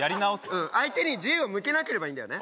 うん相手に銃を向けなければいいんだよね？